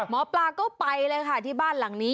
หมอปลาก็ไปเลยค่ะที่บ้านหลังนี้